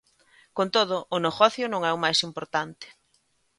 Con todo, o negocio non é o máis importante.